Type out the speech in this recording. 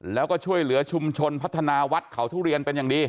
แล้วก็ช่วยเหลือชุมชนพัฒนาวัดเขาทุเรียนเป็นอย่างดี